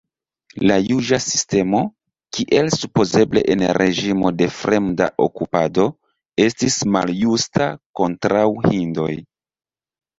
La juĝa sistemo, kiel supozeble en reĝimo de fremda okupado, estis maljusta kontraŭ hindoj.